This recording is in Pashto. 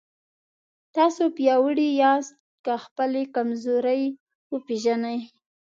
تاسو پیاوړي یاست که خپلې کمزورۍ وپېژنئ.